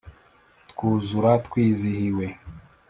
twuzura twizihiwe